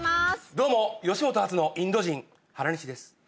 どうも吉本初のインド人原西です